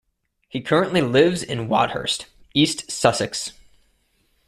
He currently lives in Wadhurst, East Sussex.